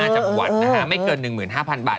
จังหวัดนะฮะไม่เกิน๑๕๐๐บาท